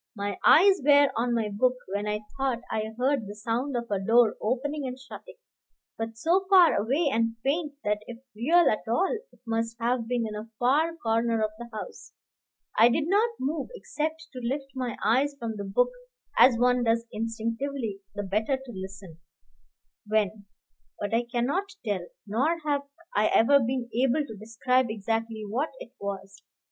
My eyes were on my book, when I thought I heard the sound of a door opening and shutting, but so far away and faint that if real at all it must have been in a far corner of the house. I did not move except to lift my eyes from the book as one does instinctively the better to listen; when But I cannot tell, nor have I ever been able to describe exactly what it was.